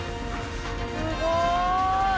すごい！